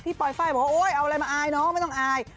ปลอยไฟล์บอกว่าโอ๊ยเอาอะไรมาอายน้องไม่ต้องอาย